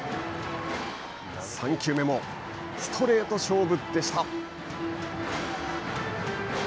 ３球目もストレート勝負でした。